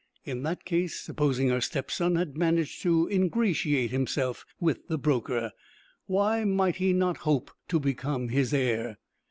In that case, supposing her stepson had managed to ingratiate himself with the broker, why might he not hope to become his heir?